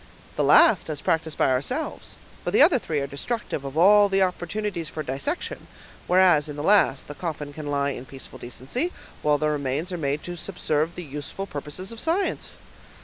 "The last, as practiced by ourselves, for the other three are destructive of all the opportunities for dissection; whereas, in the last, the coffin can lie in peaceful decency, while the remains are made to subserve the useful purposes of science.